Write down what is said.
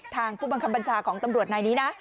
ทางผู้บังคัมบัญชาของตำรวจในนี้นะ